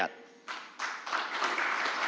dan terutama amanat dari rakyat